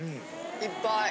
いっぱい。